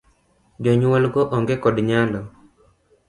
Jonyuol go ong'e kod nyalo.